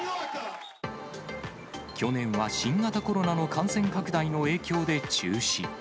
去年は新型コロナの感染拡大の影響で中止。